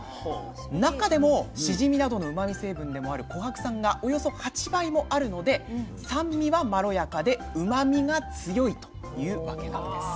中でもしじみなどのうまみ成分でもあるコハク酸がおよそ８倍もあるので酸味はまろやかでうまみが強いというわけなんです。